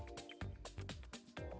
dan berhenti menggunakan aplikasi media